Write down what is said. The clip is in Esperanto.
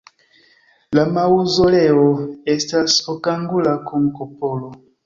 La maŭzoleo estas okangula kun kupolo.